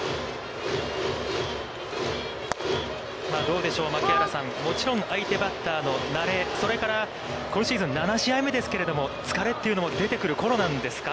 どうでしょう槙原さん、もちろん相手バッターのなれ、それから、今シーズン７試合目ですけれども、疲れというのも出てくるころなんですか。